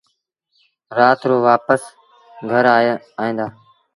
رآت رو وآپس گھر ائيٚݩدآ۔